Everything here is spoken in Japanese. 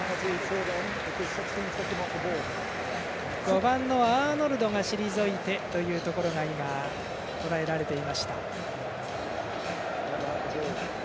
５番のアーノルドが退いてというところがとらえられていました。